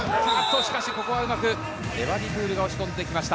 しかし、ここはうまくエバディプールが押し込んできました。